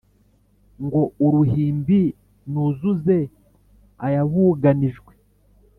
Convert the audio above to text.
Ngo uruhimbi nuzuze ayabuganijwe